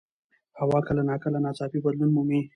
هوا کله ناکله ناڅاپي بدلون مومي